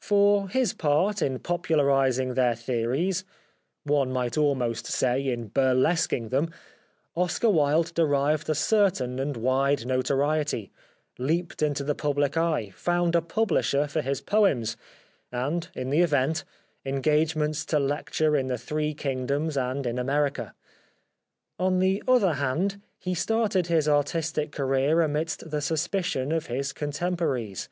For his part in popularising their theories — one might almost say in burles quing them — Oscar Wilde derived a certain and wide notoriety, leaped into the public eye, found a publisher for his poems, and, in the event, en gagements to lecture in the three kingdoms and in America. On the other hand, he started his artistic career amidst the suspicion of his con temporaries.